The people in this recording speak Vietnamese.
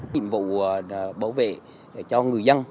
nhiệm vụ bảo vệ cho người dân